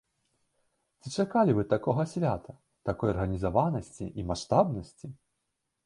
Ці чакалі вы такога свята, такой арганізаванасці і маштабнасці?